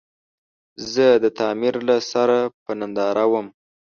زه د تعمير له سره په ننداره ووم.